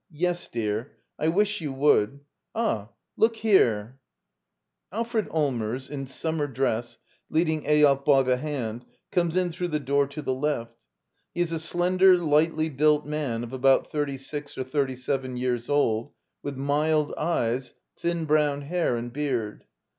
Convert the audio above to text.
Yes, dear; I wish you would — Ah, look herel [Alfred Allmers, in summer dress, leading Eyolf by the hand, comes in through the door to the left He is a slender, lightly built man of about thirty six or thirty seven years, with mild eyes, thin brown hair and beard.